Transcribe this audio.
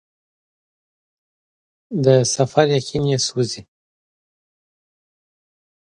د سفر یقین یې سوزي